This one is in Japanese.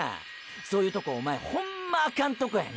そういうとこおまえホンマアカンとこやな。